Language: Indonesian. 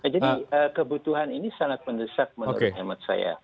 jadi kebutuhan ini sangat mendesak menurut hemat saya